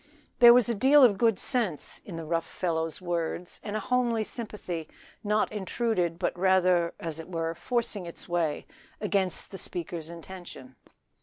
There was a deal of good sense in the rough fellow's words and a homely sympathy not intruded but rather, as it were, forcing its way against the speaker's intention.